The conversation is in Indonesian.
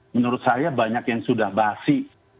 menurut saya banyak yang sudah basi